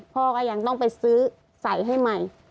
พ่อก็ยังต้องไปซื้อใส่ให้ใหม่